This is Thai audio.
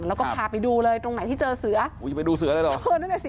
แล้วก็พาไปดูเลยตรงไหนที่เจอเสืออุ้ยไปดูเสือเลยเหรอเออนั่นแหละสิ